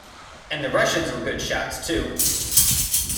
And the Russians were good shots too!